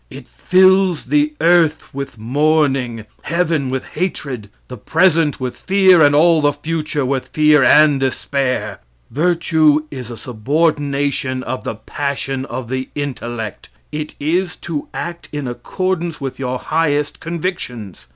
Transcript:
It fills the earth with mourning, heaven with hatred, the present with fear, and all the future with fear and despair. Virtue is a subordination of the passion of the intellect. It is to act in accordance with your highest convictions.